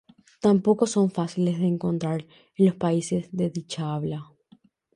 Tampoco son fáciles de encontrar en los países de dicha habla.